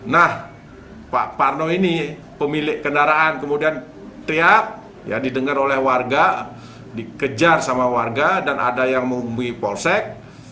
nah pak parno ini pemilik kendaraan kemudian teriak didengar oleh warga dikejar sama warga dan ada yang menghubungi polsek